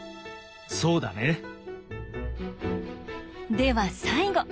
では最後。